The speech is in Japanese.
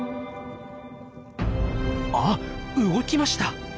あっ動きました！